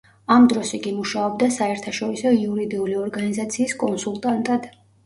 ამ დროს იგი მუშაობდა საერთაშორისო იურიდიული ორგანიზაციის კონსულტანტად.